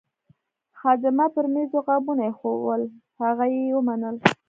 خادمه پر میزو غابونه ایښوول، هغه یې ومنل.